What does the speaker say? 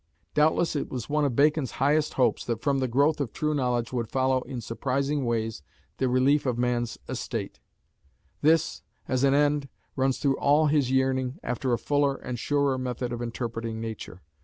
Doubtless it was one of Bacon's highest hopes that from the growth of true knowledge would follow in surprising ways the relief of man's estate; this, as an end, runs through all his yearning after a fuller and surer method of interpreting nature.